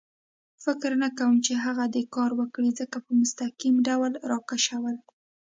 فکر نه کوم چې هغه دې کار وکړي، ځکه په مستقیم ډول را کشول.